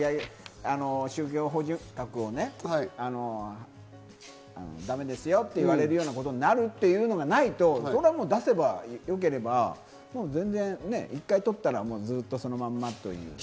宗教法人格をだめですよって言われるようなことになるということがないと、出せば、よければ、１回通ったら、ずっとそのまんまというね。